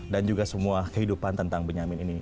juga semua kehidupan tentang benyamin ini